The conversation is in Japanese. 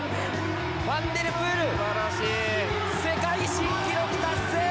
ファンデルプール世界新記録達成！